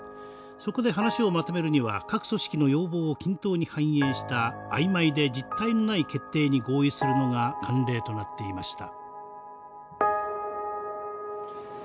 そこで話をまとめるには各組織の要望を均等に反映した曖昧で実体のない決定に合意するのが慣例となっていました。